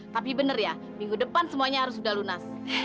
tapi bener ya minggu depan semuanya harus udah lunas